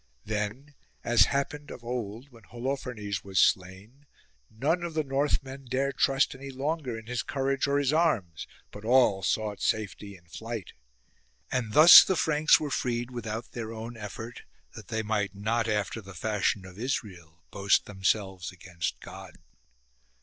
Then, as happened of old when Holofernes was slain, none of the Northmen dare trust any longer in his courage or his arms ; but all sought safety in flight. And thus the Franks were freed without their own effort, that they might not after the fashion of Israel boast themselves against God.